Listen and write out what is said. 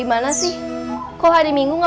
aku goda siap siap